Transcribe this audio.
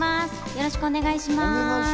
よろしくお願いします。